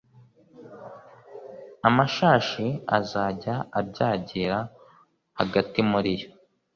amashashi azajya abyagira hagati muri yo